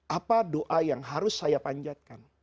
apa doa yang harus saya panjatkan